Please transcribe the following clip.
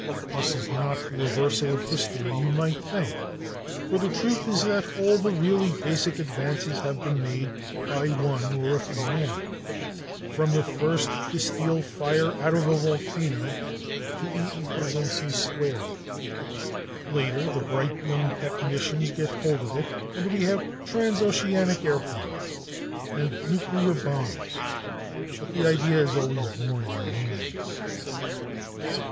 This is not the reversal of history you might think, for the truth is that all the really basic advances have been made by one or a few men, from the first to steal fire out of a volcano to E=mc^2. Later, the bright young technicians get hold of it, and we have transoceanic airplanes and nuclear bombs; but the idea is always born in loneliness.